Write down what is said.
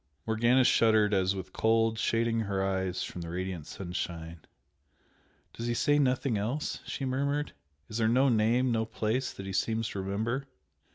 Morgana shuddered as with cold, shading her eyes from the radiant sunshine. "Does he say nothing else?" she murmured "Is there no name no place that he seems to remember?"